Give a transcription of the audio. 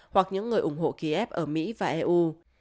hoặc những người ủng hộ kiev ở mỹ và eu